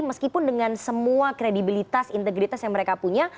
meskipun dengan semua kredibilitas integritas yang mereka punya